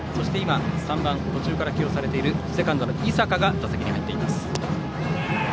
そして今、３番途中から起用されているセカンドの井坂が打席に入っています。